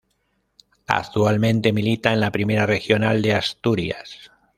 Actualmente milita en la Primera Regional de Asturias.